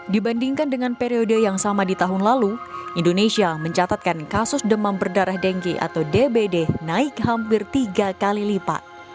dibandingkan dengan periode yang sama di tahun lalu indonesia mencatatkan kasus demam berdarah dengki atau dbd naik hampir tiga kali lipat